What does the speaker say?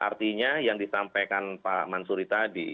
artinya yang disampaikan pak mansuri tadi